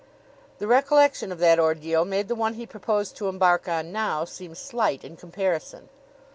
The recollection of that ordeal made the one he proposed to embark on now seem slight in comparison.